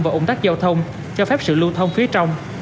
và ủng tắc giao thông cho phép sự lưu thông phía trong